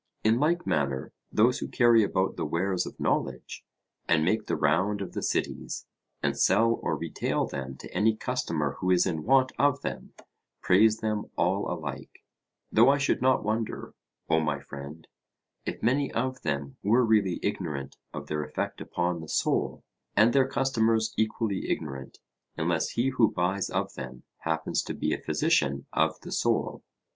In like manner those who carry about the wares of knowledge, and make the round of the cities, and sell or retail them to any customer who is in want of them, praise them all alike; though I should not wonder, O my friend, if many of them were really ignorant of their effect upon the soul; and their customers equally ignorant, unless he who buys of them happens to be a physician of the soul.